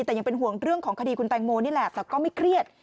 แต่ยังเป็นห่วงเรื่องของคดีคุณแตงโมนี่แหละแต่ก็ไม่เครียด